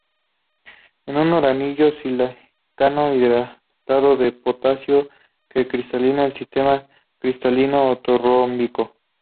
Es un uranilo-silicato hidratado de potasio, que cristaliza en el sistema cristalino ortorrómbico.